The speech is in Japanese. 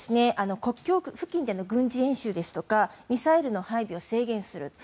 国境付近での軍事演習ですとかミサイルの配備を制限する。